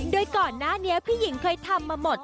โดยก่อนหน้านี้พี่หญิงเคยทำมาหมด